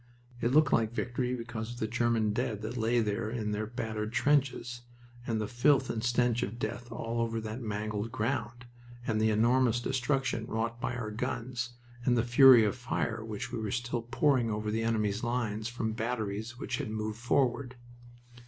It looked like victory, because of the German dead that lay there in their battered trenches and the filth and stench of death over all that mangled ground, and the enormous destruction wrought by our guns, and the fury of fire which we were still pouring over the enemy's lines from batteries which had moved forward.